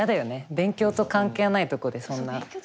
勉強と関係ないとこでそんな怒られちゃう。